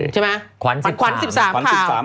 ใช่ไหม